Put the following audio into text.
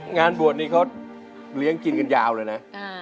งานบวชนี้เขาเลี้ยงกินกันยาวเลยนะ